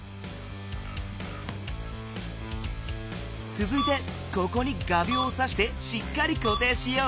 つづいてここに画びょうをさしてしっかりこていしよう。